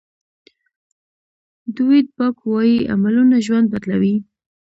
ډویډ باک وایي عملونه ژوند بدلوي.